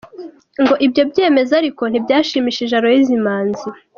Ibyo byemezo ariko ntibyashimishije Aloys Manzi.